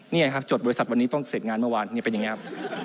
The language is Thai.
นี่ไงครับจดบริษัทต้องเสร็จงานเมื่อวานเป็นอย่างงี้